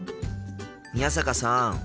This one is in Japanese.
宮坂さん。